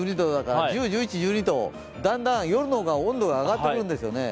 夜１２度だから、だんだん夜の方が温度が上がってくるんですよね。